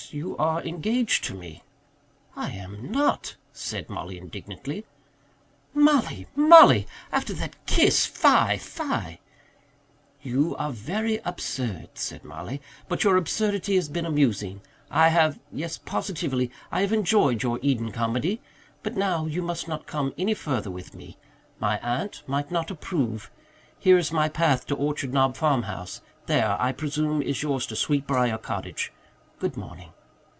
You are engaged to me." "I am not," said Mollie indignantly. "Mollie! Mollie! After that kiss! Fie, fie!" "You are very absurd," said Mollie, "But your absurdity has been amusing. I have yes, positively I have enjoyed your Eden comedy. But now you must not come any further with me. My aunt might not approve. Here is my path to Orchard Knob farmhouse. There, I presume, is yours to Sweetbriar Cottage. Good morning."